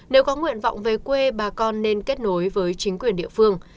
nếu có nguyện vọng về quê bà con nên kết nối với chính quyền địa phương